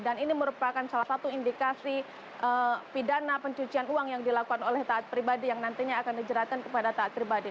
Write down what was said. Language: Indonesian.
dan ini merupakan salah satu indikasi pidana pencucian uang yang dilakukan oleh taat pribadi yang nantinya akan dijeratkan kepada taat pribadi